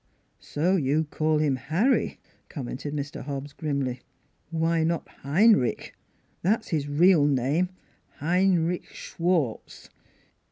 " So you call him Harry," commented Mr. Hobbs grimly. "Why not Heinrich? That's his real name Heinrich Schwartz!